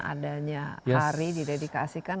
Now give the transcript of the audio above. adanya hari didedikasikan